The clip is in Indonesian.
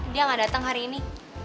dia gak datang hari ini